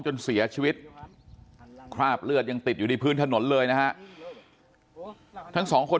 จนเสียชีวิตคราบเลือดยังติดอยู่ที่พื้นถนนเลยนะฮะทั้งสองคน